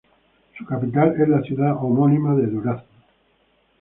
Su capital es es la ciudad homónima Durazno.